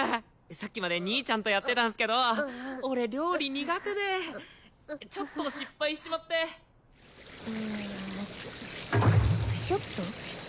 さっきまで兄ちゃんとやってたんすけど俺料理苦手でちょっと失敗しちまってちょっと？